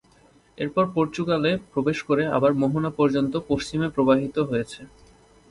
এরপর পর্তুগালে প্রবেশ করে আবার মোহনা পর্যন্ত পশ্চিমে প্রবাহিত হয়েছে।